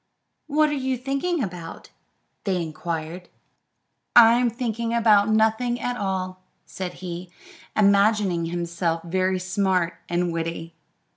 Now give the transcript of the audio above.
"What are you thinking about?" they inquired. "I'm thinking about nothing at all," said he, imagining himself very smart and witty.